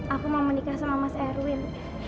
aku mau menikah sama mas erwin